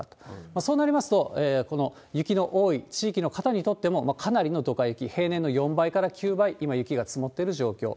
そうなりますと、この雪の多い地域の方にとっても、かなりのドカ雪、平年の４倍から９倍、今、雪が積もっている状況。